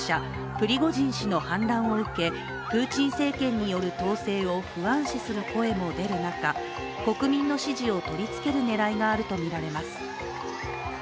プリゴジン氏の反乱を受け、プーチン政権による統制を不安視する声も出る中、国民の支持を取り付ける狙いがあるとみられます。